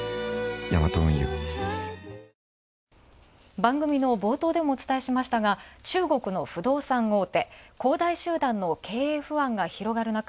番組の冒頭でもお伝えしましたが、中国の不動産大手恒大集団の経営不安が広がるなか